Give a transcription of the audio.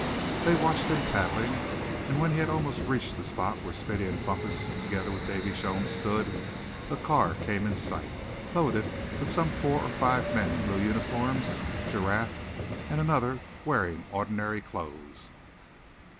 They watched him paddling, and when he had almost reached the spot where Smithy and Bumpus, together with Davy Jones stood, a car came in sight, loaded with some four or five men in blue uniforms; Giraffe, and another, wearing ordinary clothes.